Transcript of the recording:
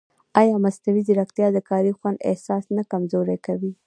ایا مصنوعي ځیرکتیا د کاري خوند احساس نه کمزورې کوي؟